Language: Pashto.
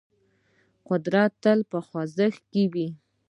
قدرت تل په خوځښت کې وي.